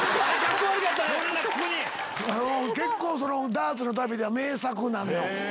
結構ダーツの旅では名作なのよ。